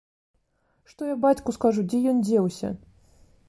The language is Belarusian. Што я бацьку скажу, дзе ён дзеўся?